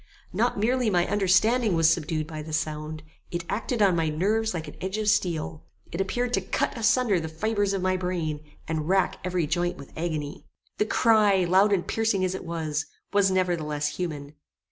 Not merely my understanding was subdued by the sound: it acted on my nerves like an edge of steel. It appeared to cut asunder the fibres of my brain, and rack every joint with agony. The cry, loud and piercing as it was, was nevertheless human.